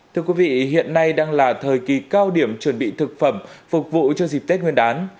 thưa quý vị hiện nay đang là thời kỳ cao điểm chuẩn bị thực phẩm phục vụ cho dịp tết nguyên đán